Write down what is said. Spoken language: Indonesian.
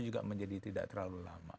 juga menjadi tidak terlalu lama